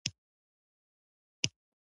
پخلنځي کې د څمڅۍ ږغ، دیوالونو دی زبیښلي